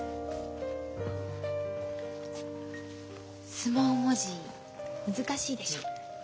相撲文字難しいでしょ。